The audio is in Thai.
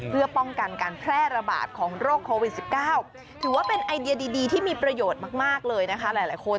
เพื่อป้องกันการแพร่ระบาดของโรคโควิด๑๙ถือว่าเป็นไอเดียดีที่มีประโยชน์มากเลยนะคะหลายคน